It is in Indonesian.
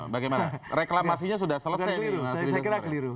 bagaimana reklamasinya sudah selesai nih